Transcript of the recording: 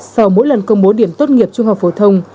sau mỗi lần công bố điểm tốt nghiệp trung học phổ thông